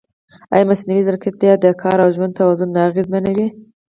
ایا مصنوعي ځیرکتیا د کار او ژوند توازن نه اغېزمنوي؟